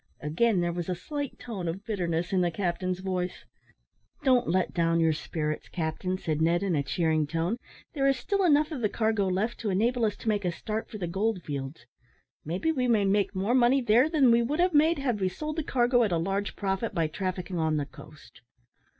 Again there was a slight tone of bitterness in the captain's voice. "Don't let down your spirits, captain," said Ned, in a cheering tone; "there is still enough of the cargo left to enable us to make a start for the gold fields. Perhaps we may make more money there than we would have made had we sold the cargo at a large profit by trafficking on the coast."